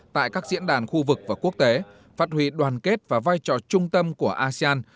tại các diễn đàn khu vực và quốc tế phát huy đoàn kết và vai trò trung tâm của asean